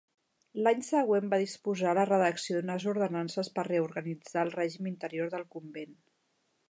L'any següent va disposar la redacció d'unes ordenances per reorganitzar el règim interior del convent.